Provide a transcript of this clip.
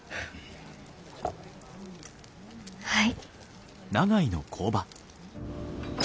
はい。